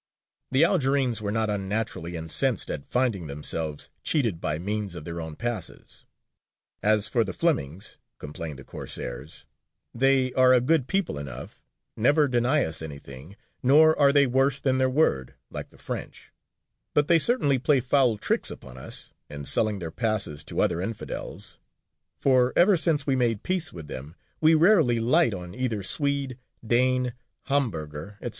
The Algerines were not unnaturally incensed at finding themselves cheated by means of their own passes. "As for the Flemings," complained the Corsairs, "they are a good people enough, never deny us anything, nor are they worse than their word, like the French; but they certainly play foul tricks upon us, in selling their passes to other infidels: For ever since we made peace with them, we rarely light on either Swede, Dane, Hamburgher, &c.